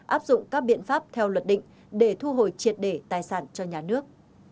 áp dụng các biện pháp theo luật định để thu hồi triệt để tài sản cho nhà nước